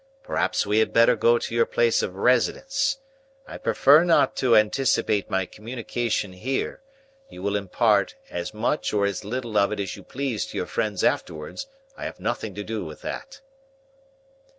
Perhaps we had better go to your place of residence. I prefer not to anticipate my communication here; you will impart as much or as little of it as you please to your friends afterwards; I have nothing to do with that."